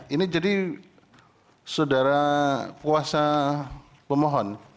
ini jadi saudara kuasa pemohon